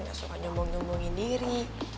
gak suka nyumbung nyumbungin diri